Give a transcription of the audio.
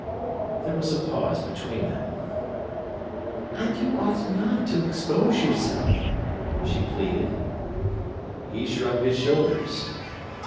There was a pause between them. "But you ought not to expose yourself," she pleaded. He shrugged his shoulders.